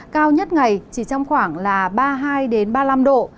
cao nhất ngày chỉ trong khoảng là ba mươi hai ba mươi năm độ